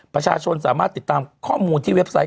ประชาชนสามารถติดตามข้อมูลที่เว็บไซต